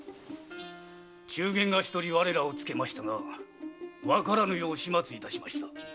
中間が一人我らをつけましたがわからぬよう始末いたしました。